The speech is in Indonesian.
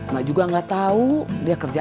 mak juga gak tau dia kerja apa